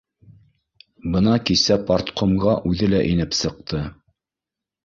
Бына кисә парткомға үҙе лә инеп сыҡты: